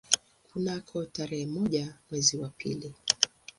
Kunako tarehe moja mwezi wa pili